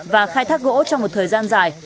và khai thác gỗ trong một thời gian dài